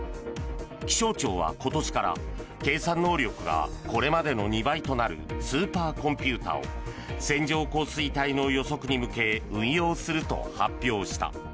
気象庁は今年から計算能力がこれまでの２倍となるスーパーコンピューターを線状降水帯の予測に向け運用すると発表した。